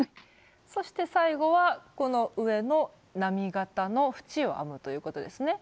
そして最後はこの上の波形の縁を編むということですね。